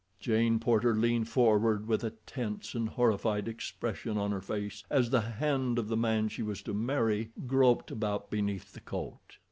Jane Porter leaned forward with a tense and horrified expression on her face as the hand of the man she was to marry groped about beneath the coat.